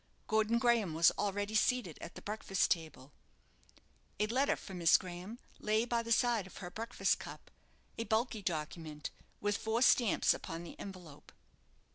Gordon Graham was already seated at the breakfast table. A letter for Miss Graham lay by the side of her breakfast cup a bulky document, with four stamps upon the envelope.